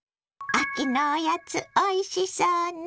秋のおやつおいしそうね。